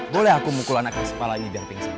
boleh aku mukul anaknya sepah lagi dari pingsanmu